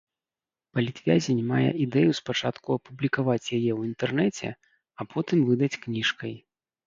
Палітвязень мае ідэю спачатку апублікаваць яе ў інтэрнэце, а потым выдаць кніжкай.